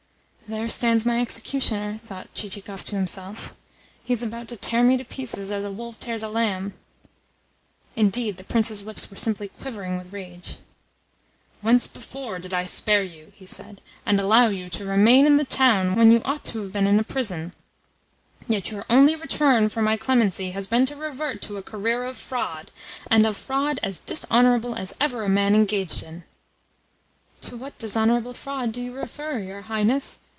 "There stands my executioner," thought Chichikov to himself. "He is about to tear me to pieces as a wolf tears a lamb." Indeed, the Prince's lips were simply quivering with rage. "Once before did I spare you," he said, "and allow you to remain in the town when you ought to have been in prison: yet your only return for my clemency has been to revert to a career of fraud and of fraud as dishonourable as ever a man engaged in." "To what dishonourable fraud do you refer, your Highness?"